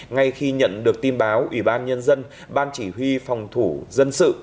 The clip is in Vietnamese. ngay khi nhận được tin báo ủy ban nhân dân ban chỉ huy phòng thủ dân sự